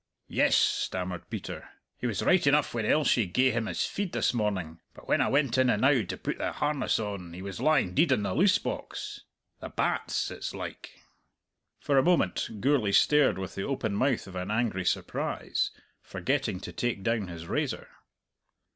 "Yes," stammered Peter. "He was right enough when Elshie gae him his feed this morning; but when I went in enow to put the harness on, he was lying deid in the loose box. The batts it's like." For a moment Gourlay stared with the open mouth of an angry surprise, forgetting to take down his razor.